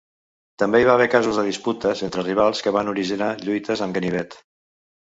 També hi va haver casos de disputes entre rivals que van originar lluites amb ganivet.